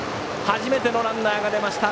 初めてのランナーが出ました。